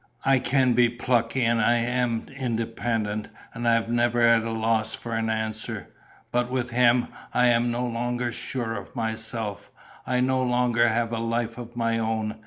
I can be plucky and I am independent and I am never at a loss for an answer. But with him I am no longer sure of myself, I no longer have a life of my own.